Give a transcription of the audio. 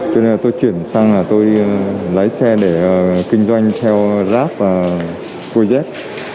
cho nên là tôi chuyển sang là tôi lái xe để kinh doanh theo rap và cojet